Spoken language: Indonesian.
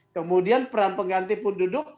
kemudian peran pengganti pun duduk